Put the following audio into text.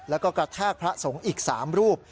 แล้วก็กระแทกพระสงฆ์อีก๓รูป